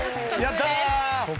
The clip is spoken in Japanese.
やった！